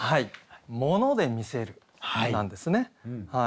「モノで見せる」なんですね。